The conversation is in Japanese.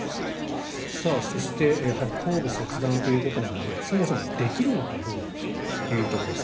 そして、やはり頭部切断ということなのでそもそもできるのかどうかということです。